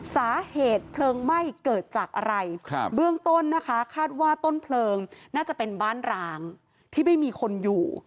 สาเหตุเพลิงไหม้เกิดจากอะไรเบื้องต้นนะคะคาดว่าต้นเพลิงน่าจะเป็นบ้านร้างที่ไม่มีคนอยู่